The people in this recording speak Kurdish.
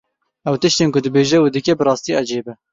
Ew, tiştên ku dibêje û dike bi rastî ecêb e.